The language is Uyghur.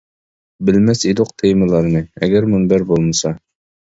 بىلمەس ئىدۇق تېمىلارنى، ئەگەر مۇنبەر بولمىسا.